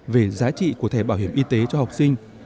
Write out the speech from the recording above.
về giá trị của thẻ bảo hiểm y tế cho học sinh